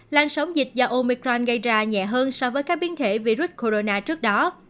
lan sóng dịch do omicron gây ra nhẹ hơn so với các biến thể virus corona trước đó